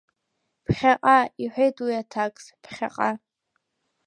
Ԥхьаҟа, – иҳәеит уи аҭакс, ԥхьаҟа!